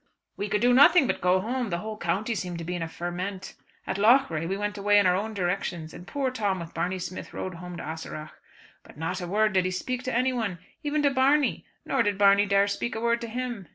"We could do nothing but go home; the whole county seemed to be in a ferment. At Loughrea we went away in our own directions, and poor Tom with Barney Smith rode home to Ahaseragh. But not a word did he speak to anyone, even to Barney; nor did Barney dare to speak a word to him.